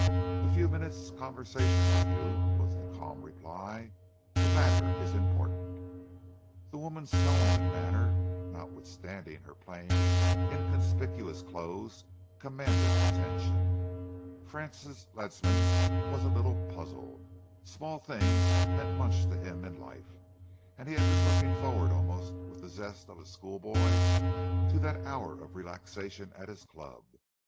"A few minutes' conversation with you," was the calm reply. "The matter is important." The woman's tone and manner, notwithstanding her plain, inconspicuous clothes, commanded attention. Francis Ledsam was a little puzzled. Small things meant much to him in life, and he had been looking forward almost with the zest of a schoolboy to that hour of relaxation at his club.